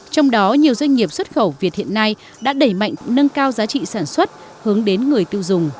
trong đó nhiều doanh nghiệp xuất khẩu việt hiện nay đã đẩy mạnh nâng cao giá trị sản xuất hướng đến người tiêu dùng